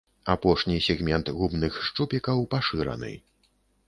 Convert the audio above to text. Апошні сегмент губных шчупікаў пашыраны.